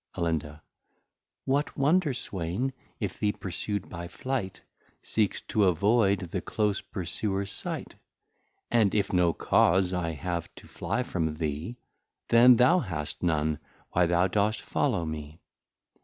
Alinda. What wonder, Swain, if the Pursu'd by Flight, Seeks to avoid the close Pursuers Sight? And if no Cause I have to fly from thee, Then thou hast none, why thou dost follow me.